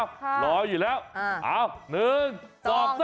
ค่ะรออยู่แล้วเอ้า๑๒๓ว่ายค่ะ